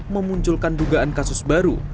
memunculkan dugaan kasus baru